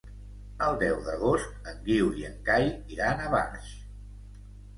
El deu d'agost en Guiu i en Cai iran a Barx.